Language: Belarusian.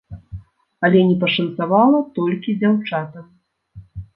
Але не пашанцавала толькі дзяўчатам.